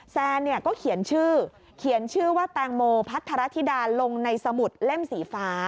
แซนก็เขียนชื่อว่าแปลงโมพัฒนธรัฐิดาลงในสมุดเล่มสีฟ้า